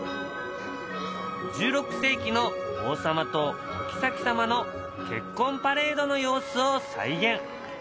１６世紀の王様とおきさき様の結婚パレードの様子を再現。